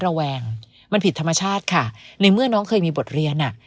ระแวงมันผิดธรรมชาติค่ะในเมื่อน้องเคยมีบทเรียนอ่ะ